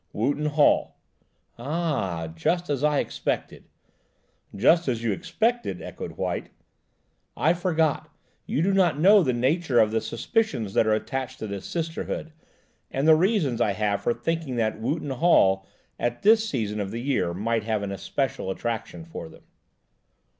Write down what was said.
"Wootton Hall." "Ah, just as I expected." "Just as you expected?" echoed White. "I forgot. You do not know the nature of the suspicions that are attached to this Sisterhood, and the reasons I have for thinking that Wootton Hall, at this season of the year, might have an especial attraction for them."